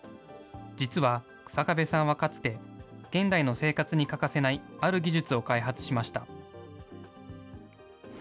実は、日下部さんはかつて、現代の生活に欠かせない、ある技術を開発しました。